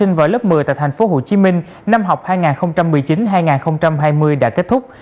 năm hai nghìn hai mươi đã kết thúc